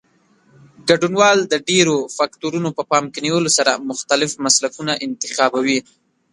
ګډونوال د ډېرو فکټورونو په پام کې نیولو سره مختلف مسلکونه انتخابوي.